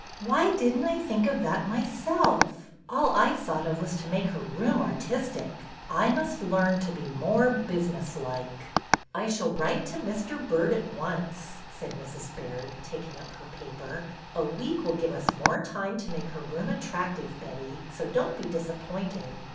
Why did n't I think of that myself ! All I thought of was to make her room artistic. I must learn to be more business like." '' I shall write to Mr. Byrd at once," said Mrs. Baird, taking up her paper. " A week will give us more time to make her room attractive, Betty, so don't be disappointed."